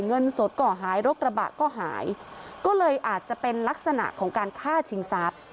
เงินสดก็หายรกระบะก็หายก็เลยอาจจะเป็นลักษณะของการฆ่าชิงทรัพย์